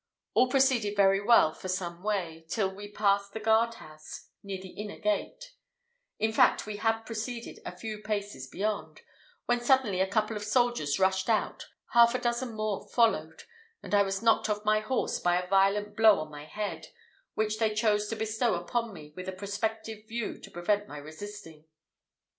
All proceeded very well for some way, till we passed the guard house near the inner gate: in fact, we had proceeded a few paces beyond, when suddenly a couple of soldiers rushed out, half a dozen more followed, and I was knocked off my horse by a violent blow on my head, which they chose to bestow upon me with a prospective view to prevent my resisting.